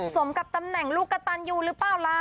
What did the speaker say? สมกับตำแหน่งลูกกระตันยูหรือเปล่าล่ะ